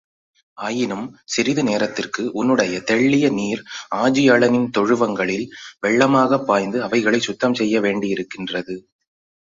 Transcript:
ஆயினும், சிறிது நேரத்திற்கு உன்னுடைய தெள்ளிய நீர் ஆஜியளின் தொழுவங்களில் வெள்ளமாகப் பாய்ந்து அவைகளைச் சுத்தம் செய்ய வேண்டியிருக்கின்றது.